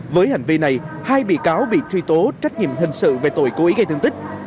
với hành vi này hai bị cáo bị truy tố trách nhiệm hình sự về tội cố ý gây thương tích